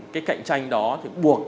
cái cạnh tranh đó thì buộc các